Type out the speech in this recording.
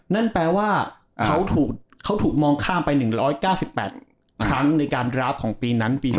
นั่นแปลว่าเขาถูกมองข้ามไป๑๙๘ครั้งในการดราฟของปีนั้นปี๒๕